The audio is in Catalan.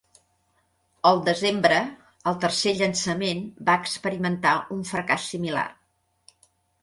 Al desembre, el tercer llançament va experimentar un fracàs similar.